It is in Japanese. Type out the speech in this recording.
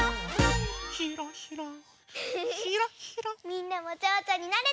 みんなもちょうちょになれた？